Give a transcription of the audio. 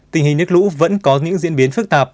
tình hình nước lũ vẫn có những diễn biến phức tạp